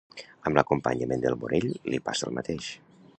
Amb l'acompanyant del Morell li passa el mateix.